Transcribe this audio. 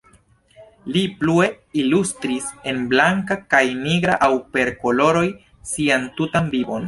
Li plue ilustris en blanka kaj nigra aŭ per koloroj sian tutan vivon.